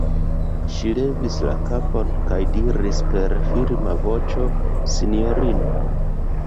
Ŝi levis la kapon kaj diris per firma voĉo: -- Sinjorino!